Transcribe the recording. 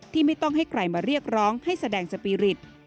ไม่ต้องให้ใครมาเรียกร้องให้แสดงสปีริต